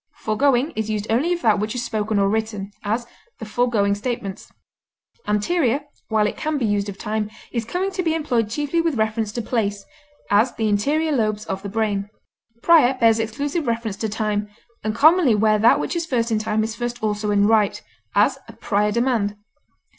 Foregoing is used only of that which is spoken or written; as, the foregoing statements. Anterior, while it can be used of time, is coming to be employed chiefly with reference to place; as the anterior lobes of the brain. Prior bears exclusive reference to time, and commonly where that which is first in time is first also in right; as, a prior demand.